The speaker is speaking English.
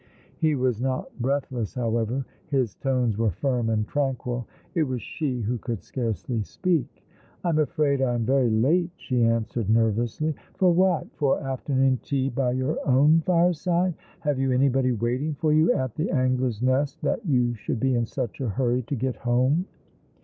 He was not breathless, however. His tones were firm and tranquil. It was she who could scarcely speak. " I'm afraid I am very late," she answered nervously. "For what? For afternoon tea by your own fireside? Have you anybody waiting for you at the Angler's Nest, that you should be in such a hurry to get home